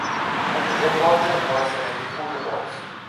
Punto di appoggio può essere il Rifugio Bozzi.